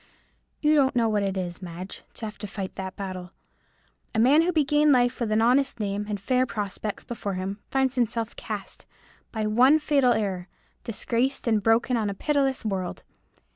You don't know what it is, Madge, to have to fight that battle. A man who began life with an honest name, and fair prospects before him, finds himself cast, by one fatal error, disgraced and broken, on a pitiless world.